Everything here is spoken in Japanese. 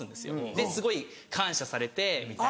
ですごい感謝されてみたいな。